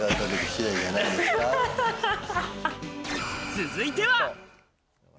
続いては。